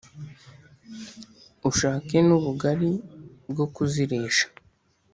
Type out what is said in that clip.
Ushake n'ubugali bwo kuzirisha